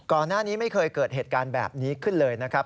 ก่อนหน้านี้ไม่เคยเกิดเหตุการณ์แบบนี้ขึ้นเลยนะครับ